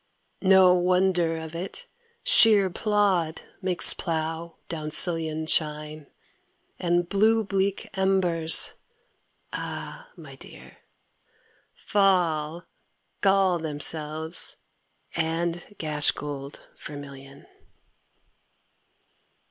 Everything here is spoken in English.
No wonder of it: shéer plód makes plough down sillion Shine, and blue bleak embers, ah my dear, Fall, gall themselves, and gash gold vermillion.